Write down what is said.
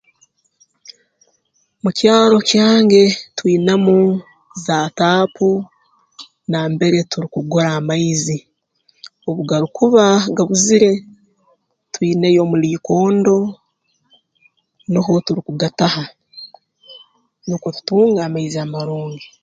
Mu kyaro kyange twinamu za taapu nambere turukugura amaizi obu garukuba gabuzire twineyo omuliikondo nuho turukugataha nukwo tutunga amaizi amarungi